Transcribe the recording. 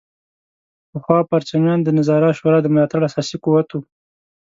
پخوا پرچمیان د نظار شورا د ملاتړ اساسي قوت وو.